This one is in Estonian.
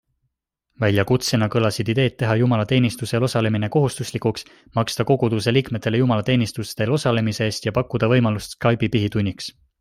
Väljakutsena kõlasid ideed teha jumalateenistustel osalemine kohustuslikuks, maksta koguduseliikmetele jumalateenistustel osalemise eest ja pakkuda võimalust Skype'i pihitunniks.